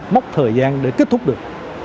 móc thời gian để kết thúc được